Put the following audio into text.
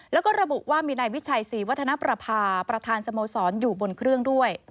แล้วก็ระบุว่ามีนายวิชัยศรีวัฒนประพาประธานสโมสรอยู่บนเครื่องด้วย